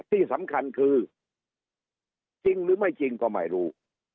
ที่สำคัญคือจริงหรือไม่จริงก็ไม่รู้